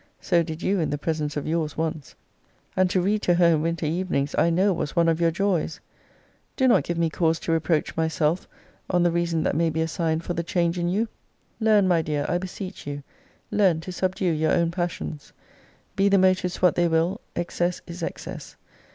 So did you in the presence of your's once. And to read to her in winter evenings I know was one of your joys. Do not give me cause to reproach myself on the reason that may be assigned for the change in you. Learn, my dear, I beseech you, learn to subdue your own passions. Be the motives what they will, excess is excess.